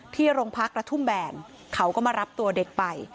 ที่โรงพักกระทุ่มแบนเขาก็มารับตัวเด็กไป